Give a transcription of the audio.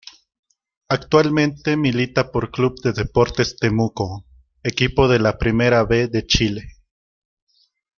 Actualmente milita por Club de Deportes Temuco, equipo de la Primera B de Chile.